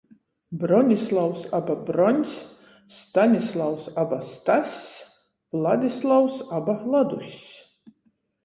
Bronislavs aba Broņs, Stanislavs aba Stass, Vladislavs aba Laduss.